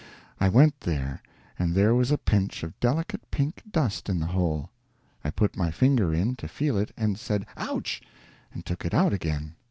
I went there, and there was a pinch of delicate pink dust in the hole. I put my finger in, to feel it, and said ouch! and took it out again.